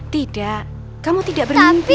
tidak kamu tidak bermimpi